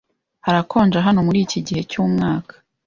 Harakonja hano muri iki gihe cyumwaka.